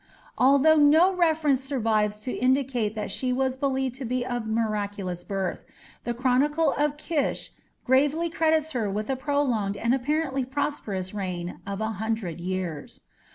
Although no reference survives to indicate that she was believed to be of miraculous birth, the Chronicle of Kish gravely credits her with a prolonged and apparently prosperous reign of a hundred years.